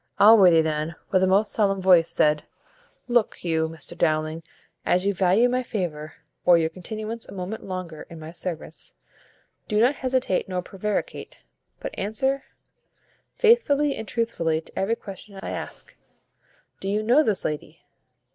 Allworthy then, with the most solemn voice, said, "Look you, Mr Dowling, as you value my favour, or your continuance a moment longer in my service, do not hesitate nor prevaricate; but answer faithfully and truly to every question I ask. Do you know this lady?"